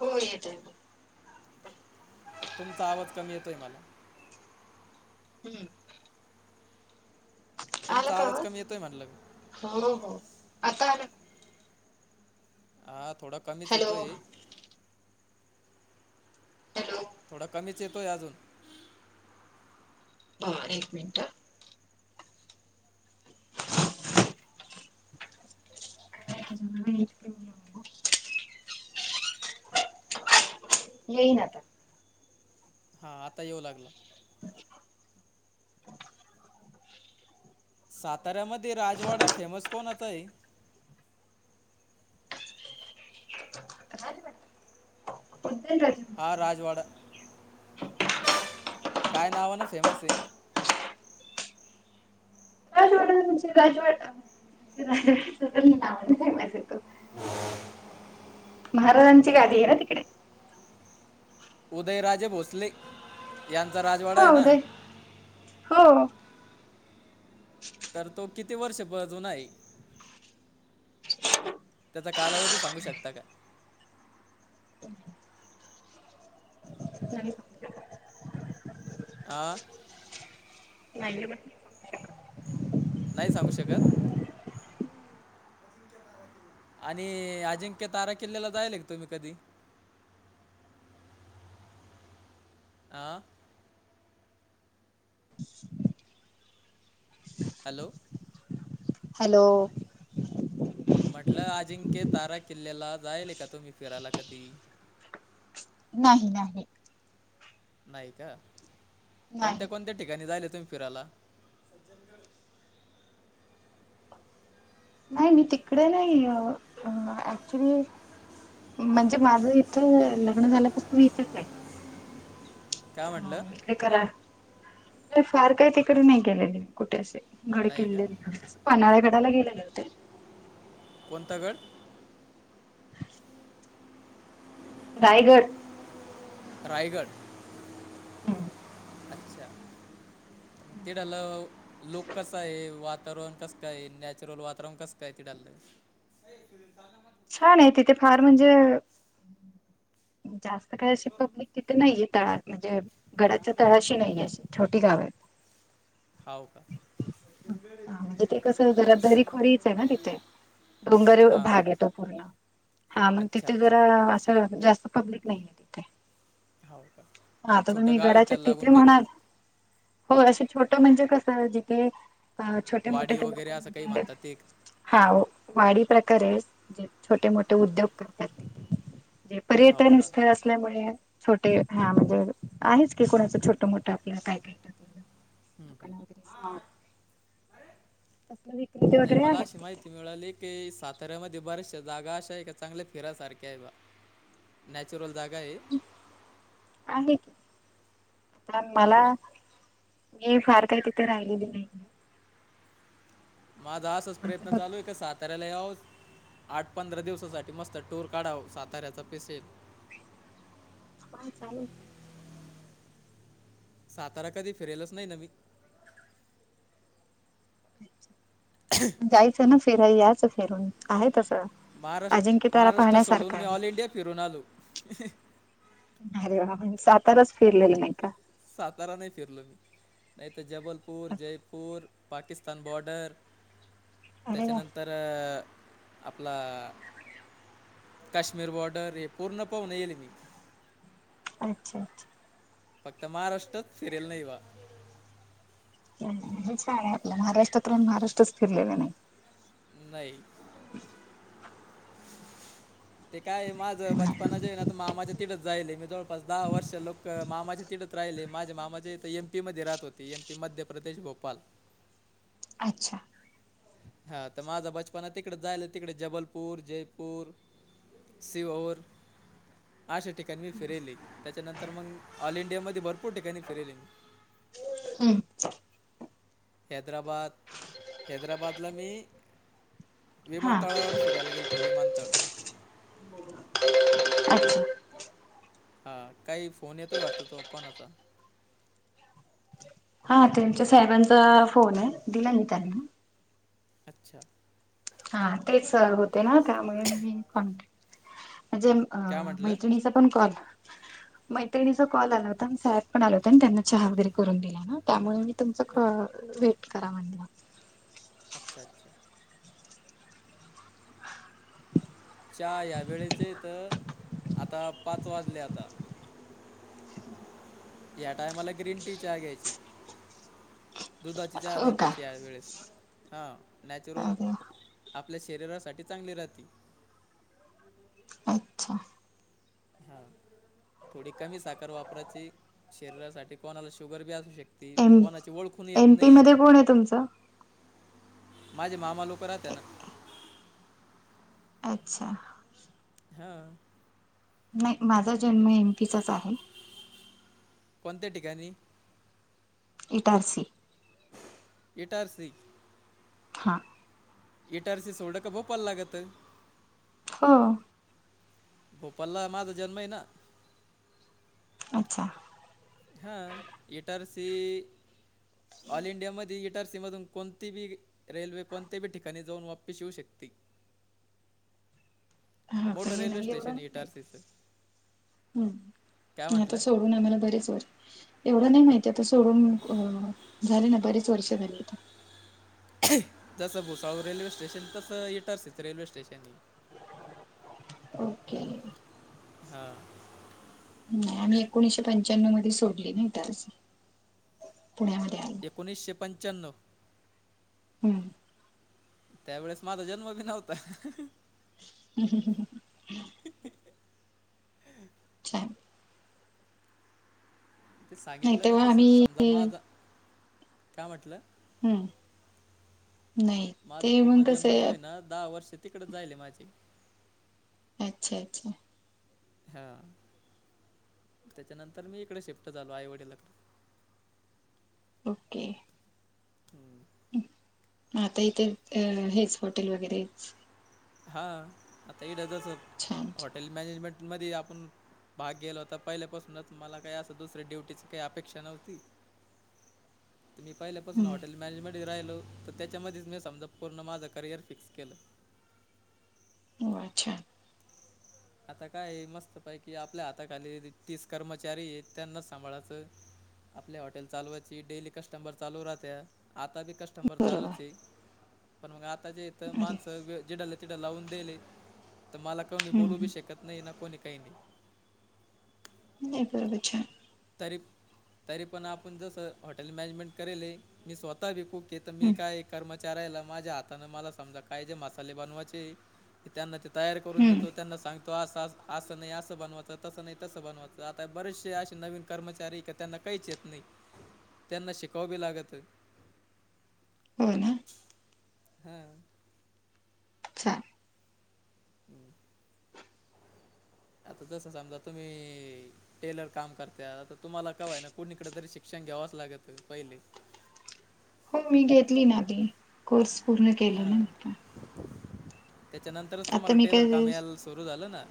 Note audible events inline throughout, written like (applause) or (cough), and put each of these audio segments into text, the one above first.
हो येतय तुमचा आवज कमी येतोय मला हू आला तुमचा का आवाज कमी येतोय म्हणलं हो हो आता आला हा थोडा कमीच हॅलो येतोय हॅलो थोडा कमीच येतोय अजून हो एक मिनिट (inaudible) (inaudible) येईन आता हा आता येऊ लागला साताऱ्यामध्ये राजवाडा फेमस कोणाचा आहे क्वचितच हा राजवाडा काय नावान फेमसये तुमची राजवाडा राजवाडा तस नाव आहे तिथं महाराजांची गादी हे ना तिकडे उदयराजे भोसले यांचा राजवाडा हो हे ना उदय हो तर तो किती वर्ष जूना हाय त्याचा कालावधी सांगू शकता का आ नाही नही सांगू शकत. आणि अजिंक्य तारा किल्ल्याला, जायेल का तुम्ही कधी? आं? हॅलो? हॅलो? म्हटलं, अजिंक्य तारा किल्ल्याला, जायेल का तुम्ही, फिरायला कधी? नाही नाही. नाही का, नाही कोणत्या-कोणत्या ठिकाणी जायेल तुम्ही फिरायला? जंग (unintelligible) नाही मी, तिकड नाही अ अं क्चुली, म्हणजे माझं इथं, लग्न झाल्या पासून इथच य. काय म्हटलं हे करा, फार काही तिकड नही केलेल म कुठे असे, गड नाही का किल्ले? पानाळ् गडाला गेलेले होते. कोणता गड? रायगड. रायगड? ह्म. अच्छा, तीडालं. लोक कसाय? वातावरण कस काय? नॅचरल वातावरण कस काय तिडलं? काय फिरून चालना म. छान ये, तिथ फार म्हणजे, जास् तिथं, काय अशी पब्लिक तिथ नाहीये, तळात म्हणजे, गडाच्या तळाशी नाहीये, अशी छोटी गावं य. हाव का? हं हा, तिथे कसं जरा, दरी खोरीच ये ना तिथे, डोंगर हां हां भाग येतो. पूर्ण, हां म अच्छा तिथे अच्छा जरा, असं जास्त पब्लिक नाहीये. तिथे. हो का? आता छोटं तुम्ही गाव आहे का गडाच्या त्याला लागून तिथे काही म्हणाल, हो असे छोट, म्हणजे कसं? जि की अ छोटे-मोठे वाडी ते वगैरे लोकं, असं काही म्हणजे म्हणतात ते हां, वाडी प्रकारे ये, जे छोटे-मोठे उद्योग करतात, ते ते हाव पर्यटन का स्थळ हं, असल्यामुळे, छोटे हां, म्हणजे आहेच की, कोणाचं छोटं -मोठं आपल, काय-काय क (unintelligible) हं. दुकान वगैरे, शॉप तसलं विक्रेते ताई, वगैरे मला अशी आहेत माहि तिथे ती, मिळाली की, साताऱ्यामध्ये, बऱ्याचशा जागा अशा य का, चांगल्या फिरासारख्या य बा. नॅचरल जागा ये. आहे की, पण मला हां मी फार काय तिथ राहिलेली नही. माझा आसाच माझं प्रयत्न बघ चालू ये का, साथ साताऱ्याला याव, आठ पंधरा दिवसासाठी, मस्त टूर काढाव, साताऱ्याचा पिसेल फोन चालू ये कीं. सातारा कधी, फिरेलच नही ना, मी. जायचं ना, फिराय यायचं फिरून, आहे तच. महाराष्ट-महाराष्ट्र सोडून, मी ऑल इंडिया फिरून आलो. अरे वा, मंग साताराच फिरलेलं नाही का? सातारा नही फिरलो मी, नाही त जबलपूर, जयपूर पाकिस्तान बॉर्डर, अरे वा त्याच्यानंतर तर, आपला काश्मीर बॉर्डर र पूर्ण पाहून येईल मी. अच्छा! अच्छा! फक्त महाराष्ट्रात फिरेल नाही बा. छान आहे आपलं, महाराष्ट्रात राहून महाराष्ट्रच फिरलेला नाही. नाही. ते काय माझं बचपना जे आहे ना मामाच्या तीडच जायल, मी ज पाच, दहा, वर्ष लोक मामाच्या तिक राहिले, माझे मामाझे एम पी मध्ये राहत होते. M P Madhya Pradesh Bhopal. अच्छा! हा तर माझा बचपन तिकडे जायला, तिकडे जबलपूर, जयपूर सिहोर अशा ठिकाणी मी फिरेली, त्याच्यानंतर मग ऑल इंडिया मध्ये भरपूर ठिकाणी फिरली. हम्. हैदराबाद, हैदराबादला मी हा विमानतळावर फिरायला गेलो तो विमानतळ अच्छा हा काही फोन येतोय वाटत तो कोणाचा हा त्यांच्या साहेबांचा फोन आहे. दिला नाही त्यांना. अच्छा! हा तेच होते ना त्यामुळे मी कॉन्ट म्हणजे अ काय म्हटलं मैत्रिणीचा पण कॉल मैत्रिणीचा कॉल आला होता. साहेब पण आले होते, आणि त्यांना चहा वगैरे करून दिला ना त्यामुळे तुमच क वेट करा म्हणले म अच्छा! अच्छा! (inaudible) चा (unintelligible) ह्या वेळेचे तर आता पाच वाजल्या आता या टायमाला ग्रीन टी चाहा घ्यायची. दुधाची चहा हो नाही का? पा्यायची या वेळेस, हा नॅचरल अरे आप आपल्या शरीरासाठी चांगली राहते. अच्छा! हा, थोडी कमी साखर वापरायची, शरीरासाठी कोणाला शुगर बी असू शकते. एम- कोणाची ओळखून येत एमपी नाही मध्ये कोण आहे तुमचं? माझे मामा लोक राहत ना. अच्छा! हा. नाही माझा जन्म एमपीचाच आहे. कोणत्या ठिकाणी? इटारसी. इटारसी? हा. इटारसी सोडल का भोपाल लागत. हो. भोपालला माझा जन्म आहे ना. अच्छा! हा इटारसी ऑल इंडिया मधी इटारसी मधून कोण ती बी रेल्वे कोणत्या बी ठिकाणी जाऊन वापिस येऊ शकते. हा का मोठं हे रेल्वे नाही एवढं स्टेशन नाही माहित इटारसीच. हम्म, आता म्हटलं? सोडून आम्हाला बरेच वर एवढं नाय माहिती आता सोडून अ झाले ना बरीच वर्ष झाली आता. जसं भुसावळ रेल्वे स्टेशन तसं इटारसीच रेल्वे स्टेशन ए. ओके. हा. नाय आम्ही एकोणीशे पंच्याण्नव मध्ये सोडली नाही ताज पुण्यामध्ये आहे. एकोणीसशे पंच्याण्णव? हम्म. त्यावेेळेस माझा जन्म बी नव्हता. (inaudible) छान. ते नाही सांगितलं म्या तेव्हा तस आम्ही समजा माझा, हम्म काय म्हटलं? नाही माझ ते पूर्ण मग कसं जन्म ज्यो आय आहे ना दहा वर्ष तिकड जायले माझे. अच्छा अच्छा. हा त्याच्यानंतर मी हिकडं शिफ्ट झालो आईवडीला क. ओके. हम्म. म आता इथे अ हेच हॉटेल वगैरेच? हा आता हित जस छान हॉटेल मॅनेजमेंट मध्ये आपण भाग गेला होता पहिल्यापासूनच मला काय असं दुसऱ्या ड्युटीची काय अपेक्षा नव्हती. (inaudible) मी पहिल्यापासून हॉटेल हम्म मॅनेजमेंट राहिलो तर त्याच्यामध्येच मी समजा पूर्ण माझं करियर फिक्स केलं. हो अच्छा. (inaudible) आता काय मस्त पैकी आपल्या हाताखाली तीस कर्मचारी एत त्यांनाच सांभाळायचं. आपल्या हॉटेल चालूवायची डेली कस्टमर चालू राहतया. आता बी क स्टमर चालू बरोबर ए पण म आता जे हित अरे माणस जीडले तिडं लावून दिले तर मला कोणी हम्म बोलू बी हम्म शकत नाय ना कोणी काय नाय. हे केवढा छान. तरी तरी पण आपण जसं हॉटेल मॅनेजमेंट करेल मी स्वतः बी खूप तिथ मी हम्म काय कर्म चाऱ्याला माझ्या हातानं मला समजा काय जे मसाले बनवायचे त्यांना ते तयार करून हम्म देतो. त्यांना सांग तो -अस असं नाय असं बनवायच तसं नाय तसं बनवायचं आता बरेचसे अशे नवीन कर्मचारी इका त्यांना काहीच येत नाय. त्यांना शिकावं बी लागतं. (inaudible) हो ना. हा. चार हम्. आता तस समजा तुम्ही टेलर काम करत्या, आता तुम्हाला का व्हयना कुणीकडे तरी शिक्षण घ्यावाच लागत, पहिले हो मी घेतली ना आधी, कोर्स पूर्ण केला ना हां मी. त्याच्यानंतरच आता तुम्हाला मी काय टेलर काम यायला सुरू झालं ना?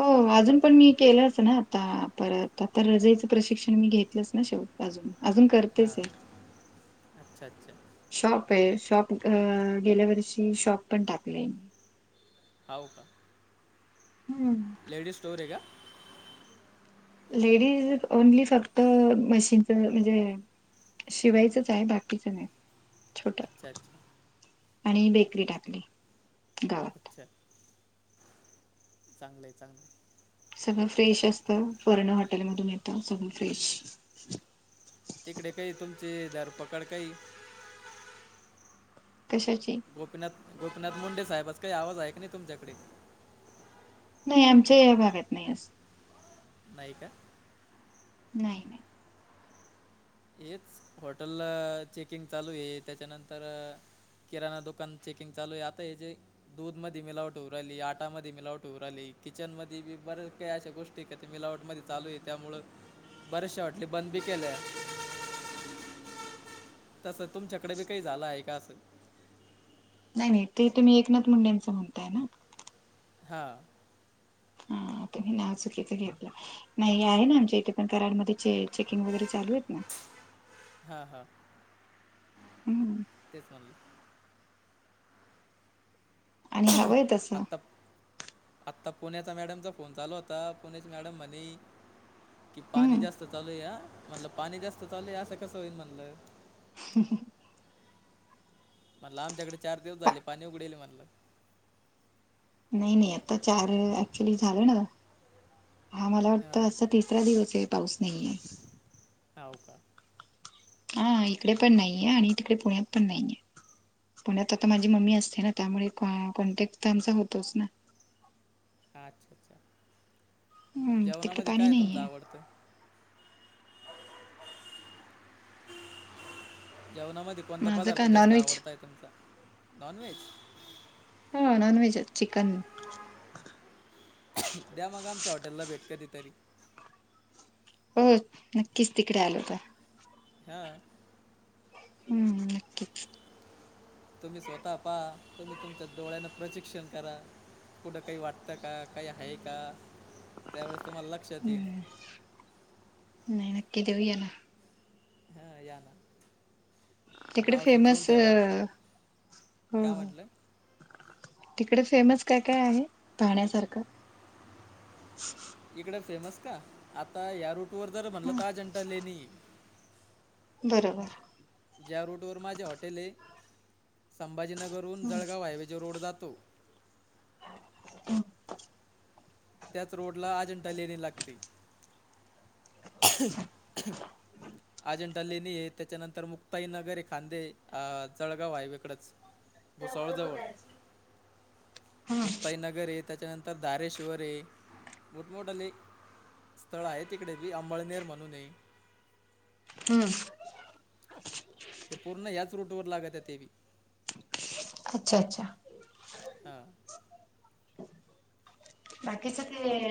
हो, अजून पण मी केलंच ना आता परत आता रजइचं प्रशिक्षण मी घेतलंच ना शेव अजून, अजून हा, करतेच आहे अच्छा! अच्छा! शॉप आहे, शॉप अ गेल्या वर्षी शॉप पण टाकलेय मी. हाव का. हम्म. लेडीज स्टोर आहे का? लेडीज ओनली फक्त मशीनच म्हणजे अ शिवायचच हाय, बाकीचं नाय. अच्छा! अच्छा! आणि बेकरी टाकली, गावात. अच्छा! चांगल हाय, चांगलं हाय. सगळं फ्रेश असत, पर्ण हॉटेल मधून येतं सगळं फ्रेश. तिकडे काही तुमची धरपकड काही कशाची? गोपीनाथ, गोपीनाथ मुंडे साहेबाचा काही आवाज आहे का नाही तुमच्याकडे? नाही आमच्या या भागात नाही अस. नाही का? नाही, नाही. हेच हॉटेलला चेकिंग चालू आहे त्याच्यानंतर अ किराणा दुकान चेकिंग चालू आहे आता हे जे दूध मधी मिलावट होऊ राहीली, आटामध्ये मिलावट होऊ राहिली, किचन मध्ये बी बऱ्याच काही अशा गोष्टी ते काय ते मिलावट मध्ये चालू आहे, त्यामुळ बरेचशा हॉटेली बंद बी केल्या. तसं तुमच्याकडे बी काही झालं आहे का? अस नाही नाही, ते तुम्ही एकनाथ मुंडेंच म्हणताय ना. हा. हा तुम्ही नाव चुकीचं घेतलं. नाही आहे ना, आमच्या इथे पण कराडमध्ये चेकिंग वगैरे चालू हेत ना. हा हा, हम्म तेच म्हणलं. आणि हवंय तसं आता प आता पुण्याचा मॅडमचा फोन चालू होता, पुण्याची मॅडम म्हणे कि पाणी हम्म जास्त चालू आहे हा, म्हणलं पाणी जास्त चालू आहे असं कसं होईल म्हणल. (unintelligible) म्हणलं आमच्याकडे चार दिवस पा झाले पाणी उघडेलये म्हणलं. नाही नाही, आता चार ऍक्च्युली झालं ना. हा मला हां वाटतं असा तिसरा दिवस आहे पाऊस नाहीे ये. हाव का? हा इकडे पण नाहीये, आणि तिकडे पुण्यात पण नाहीये. पुण्यात आता माझी मम्मी असते ना, त्यामुळे कॉन कॉन्टॅक्ट तर आमचा होतोच ना. हा अच्छा अच्छा, हम्म तिकडे जेवणामध्ये पाणी काय तुमच नाहीये आवडत? जेवणा मधी कोणता माझं पदार्थ का जास्त नॉनव्हेज आवडताय तुमचा नॉनव्हेज हा नाॉनवेहेज चिकन द्या मग आमच्या हॉटेलला भेट कधी तरी हम नक्कीच तिकडे आलोत हा हम् नक्की तुम्ही स्वतः पाहा तुम्ही तुमच्या डोळ्याने प्रशिक्षण करा. कुठं काही वाटतं का काही आहे का त्यावेळेस तुम्हाला लक्षात येईल हम्म नाही नक्की देवु या ना हा या ना तिकडे नाव सुचवून फेमस ठेवा अ काय म्हटलं तिकडे फेमस काय काय आहे पाहण्यासारखं इकडे फेमस का आता या रूट वर जर म्हणलं तर अजंटा लेणी बरोबर ज्या रूटवर माझे हॉटेले, हे संभाजीनगरहून जळगाव हायवेचे रोड जातो, हम (unintelligible) त्याच रोडला अजंठा लेणी लागते. अजेंठा लेणी हे त्याच्यानंतर मुक्ताई नगर हे खांदे जळगाव हायवेकड भुसावळजवळ हम्म मुक्ताईनगर ये त्याच्यानंतर दारेश वरे मोठमोठले स्थळ आहे तिकडे बी अंबळनेर म्हणूण, हे. हम्म ते पूर्ण याच रूट वर लागत तेबी अच्छा, अच्छा, हा बाकीच ते